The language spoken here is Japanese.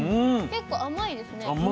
結構甘いですね。